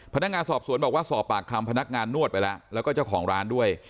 พนักงานสอบสวนบอกว่าสอบปากคำพนักงานนวดไปแล้วแล้วก็เจ้าของร้านด้วย